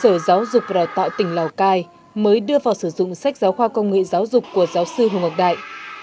sở giáo dục và đào tạo tỉnh lào cai mới đưa vào sử dụng sách giáo khoa công nghệ giáo dục của giáo sư hồ ngọc đại